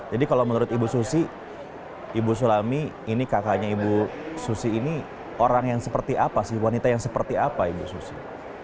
jadi kalau menurut ibu susi ibu sulami ini kakaknya ibu susi ini orang yang seperti apa sih wanita yang seperti apa ibu susi